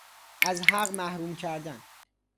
از حق محروم کردن